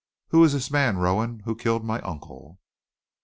Who is this man Rowan who killed my uncle?"